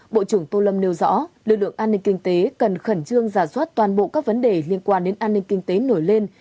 bộ trưởng tô lâm nêu rõ lực lượng an ninh kinh tế cần khẩn trương giả soát toàn bộ các vấn đề liên quan đến an ninh kinh tế nổi lên